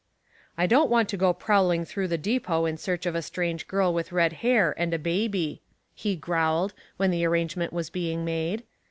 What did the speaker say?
*' I don't want to go prowling through the depot in search of a strange girl with red hair and a baby," he growled, when the arrangement was being made.